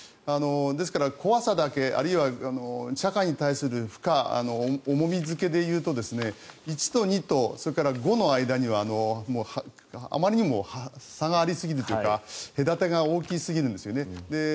ですから、怖さだけあるいは社会に対する負荷重み付けでいうと１と２とそれから５の間にはあまりにも差がありすぎるというか隔たりが大きすぎるんですね。